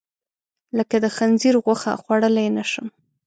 لکه د خنځیر غوښه، خوړلی نه شم.